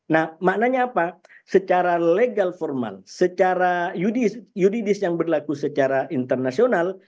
nah maknanya apa secara legal formal secara yuridis yang berlaku secara internasional